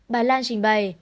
bà lan trình bày